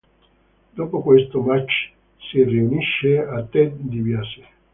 Dopo questo match si riunisce a Ted DiBiase.